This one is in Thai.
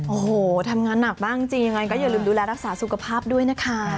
โอ้โหทำงานหนักมากจริงยังไงก็อย่าลืมดูแลรักษาสุขภาพด้วยนะคะ